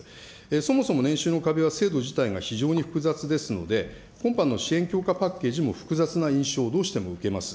そもそも年収の壁は、制度自体が非常に複雑ですので、今般の支援強化パッケージも複雑な印象をどうしても受けます。